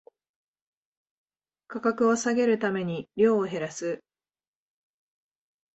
価格を下げるために量を減らす